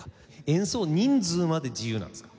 演奏人数まで自由なんですか？